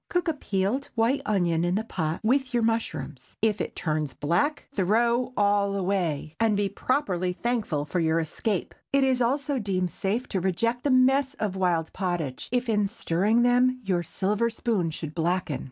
Cook a peeled white onion in the pot with your mushrooms. If it turn black, throw all away, and be properly thankful for your escape. It is also deemed safe to reject the mess of wild pottage, if in stirring them, your silver spoon should blacken.